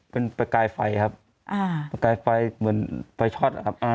เป็นประกายไฟครับประกายไฟเหมือนไฟช็อตนะครับ